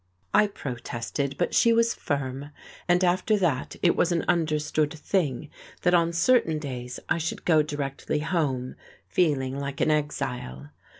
I protested, but she was firm. And after that it was an understood thing that on certain days I should go directly home, feeling like an exile.